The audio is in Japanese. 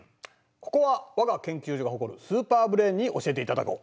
ここは我が研究所が誇るスーパーブレーンに教えていただこう。